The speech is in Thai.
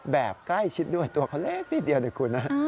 แบบใกล้ชิดด้วยตัวเขาเล็กนิดเดียวเลยคุณนะ